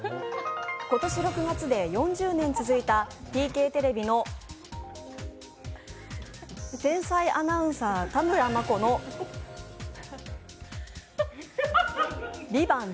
今年６月で４０年続いたＴＫテレビの天才アナウンサー・田村真子の「ＶＩＶＡＮＴ」